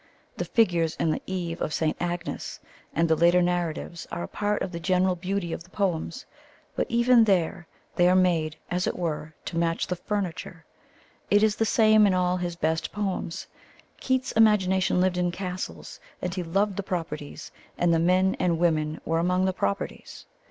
The figures in The Eve of St. Agnes and the later narratives are a part of the general beauty of the poems; but even there they are made, as it were, to match the furniture. It is the same in all his best poems. Keats's imagination lived in castles, and he loved the properties, and the men and women were among the properties.